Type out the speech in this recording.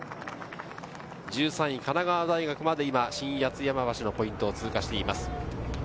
１３位・神奈川大学まで新八ツ山橋のポイントを通過しています。